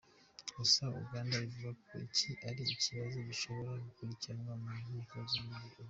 Gusa Uganda ivuga ko iki ari ikibazo gishobora gukurikiranwa mu nkiko zo muri Uganda.